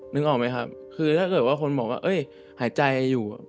นึกออกไหมครับคือถ้าเกิดว่าคนบอกว่าหายใจอยู่